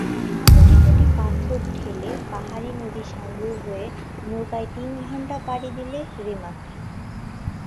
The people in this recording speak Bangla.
কোটিকোটি পাথর ঠেলে পাহাড়ি নদী সাঙ্গু হয়ে নৌকায় তিন ঘন্টা পাড়ি দিলে রেমাক্রি।